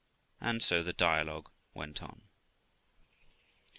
And so the dialogue went on.